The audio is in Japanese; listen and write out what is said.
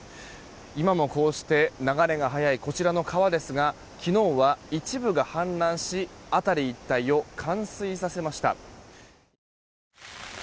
今もこうして流れが速いこちらの川ですが昨日は一部が氾濫し辺り一帯を冠水させました。